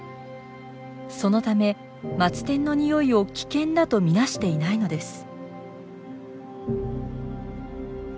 そのためマツテンのニオイを危険だと見なしていないのです。